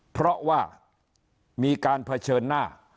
เพราะว่ามีการเผชิญหน้า